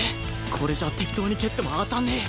これじゃ適当に蹴っても当たんねえ！